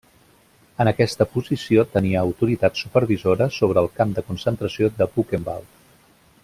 En aquesta posició tenia autoritat supervisora sobre el camp de concentració de Buchenwald.